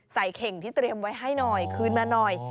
เข่งที่เตรียมไว้ให้หน่อยคืนมาหน่อย